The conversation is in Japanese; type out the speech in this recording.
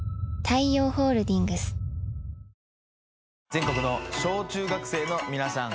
全国の小中学生の皆さん。